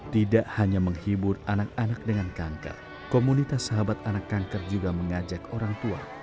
tidak hanya menghibur anak anak dengan kanker komunitas sahabat anak kanker juga mengajak orang tua